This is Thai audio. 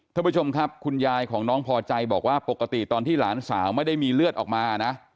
ท่านผู้ชมครับคุณยายของน้องพอใจบอกว่าปกติตอนที่หลานสาวไม่ได้มีเลือดออกมานะ